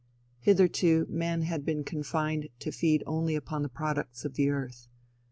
"Hitherto, man had been confined to feed only upon the products of the earth.